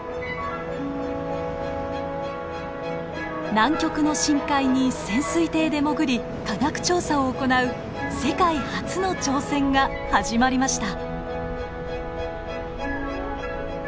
南極の深海に潜水艇で潜り科学調査を行う世界初の挑戦が始まりました。